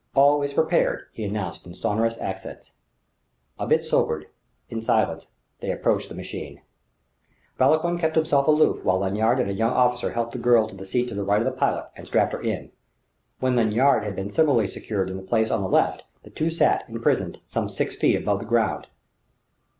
"All is prepared," he announced in sonorous accents. A bit sobered, in silence they approached the machine. Vauquelin kept himself aloof while Lanyard and a young officer helped the girl to the seat to the right of the pilot, and strapped her in. When Lanyard had been similarly secured in the place on the left, the two sat, imprisoned, some six feet above the ground.